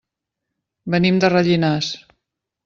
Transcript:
Venim de Rellinars.